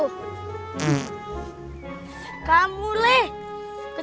tidak ada yang bisa dihantar